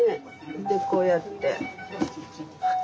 でこうやって。